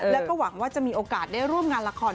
แล้วก็หวังว่าจะมีโอกาสได้ร่วมงานละคร